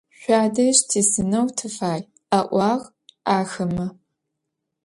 Şüadej tisıneu tıfay, – a'uağ axeme.